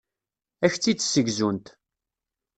Ad ak-tt-id-ssegzunt.